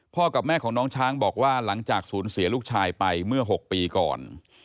กับแม่ของน้องช้างบอกว่าหลังจากศูนย์เสียลูกชายไปเมื่อ๖ปีก่อน